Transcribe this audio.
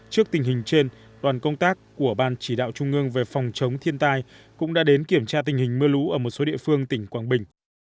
trước tình hình trên đoàn công tác của ban chỉ đạo trung ương về phòng chống thiên tai cũng đã đến kiểm tra tình hình mưa lũ ở một số địa phương tỉnh quảng bình